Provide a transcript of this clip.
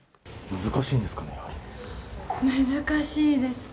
難しいですね。